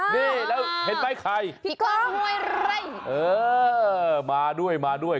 นี่แล้วเห็นไหมใครพี่ก้อมมาด้วยมาด้วย